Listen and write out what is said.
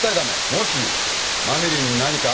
もしマミリンに何かあったら。